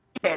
ya jadi ya